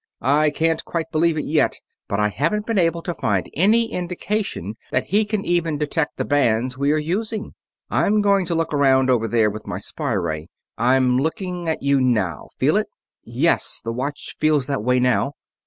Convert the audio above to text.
I can't quite believe it yet, but I haven't been able to find any indication that he can even detect the bands we are using. I'm going to look around over there with my spy ray ... I'm looking at you now feel it?" "Yes, the watch feels that way, now."